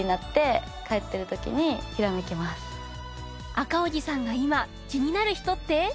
赤荻さんが今気になる人って？